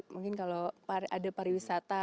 mungkin kalau ada pariwisata